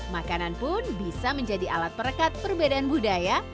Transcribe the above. makanan pun bisa menjadi alat perekat perbedaan budaya